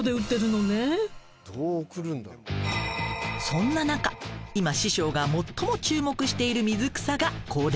そんな中今師匠が最も注目している水草がこれ。